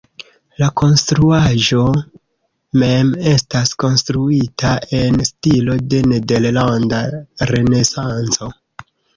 La konstruaĵo mem estas konstruita en stilo de nederlanda renesanco.